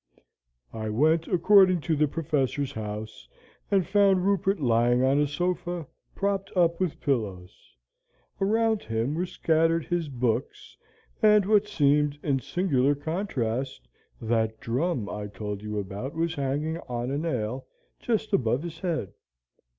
"I went accordingly to the Professor's house, and found Rupert lying on a sofa, propped up with pillows. Around him were scattered his books, and, what seemed in singular contrast, that drum I told you about was hanging on a nail, just above his head.